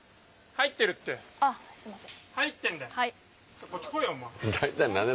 あっすいません